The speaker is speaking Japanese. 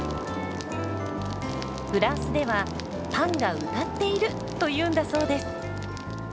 フランスでは「パンが歌っている！」というんだそうです。